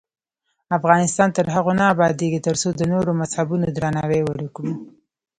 افغانستان تر هغو نه ابادیږي، ترڅو د نورو مذهبونو درناوی ونکړو.